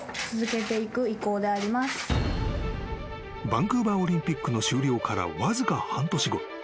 ［バンクーバーオリンピックの終了からわずか半年後］